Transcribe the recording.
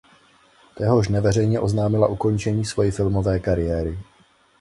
Téhož dne veřejně oznámila ukončení svojí filmové kariéry.